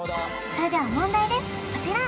それでは問題ですこちら！